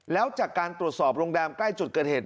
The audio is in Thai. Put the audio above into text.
แล้วจากการตรวจสอบโรงแรมใกล้จุดเกิดเหตุ